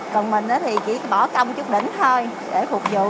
còn mình thì chỉ bỏ công chức đỉnh thôi để phục vụ